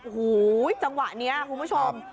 โอ้โหจังหวะนี้คุณผู้ชม